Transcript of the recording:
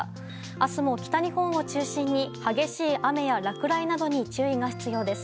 明日も北日本を中心に激しい雨や落雷などに注意が必要です。